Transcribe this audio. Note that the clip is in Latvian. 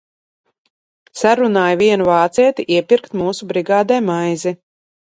Sarunāja vienu vācieti iepirkt mūsu brigādē maizi.